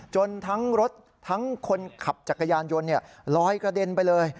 ทั้งรถทั้งคนขับจักรยานยนต์ลอยกระเด็นไปเลย